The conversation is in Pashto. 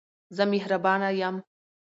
زه مهربانه یم.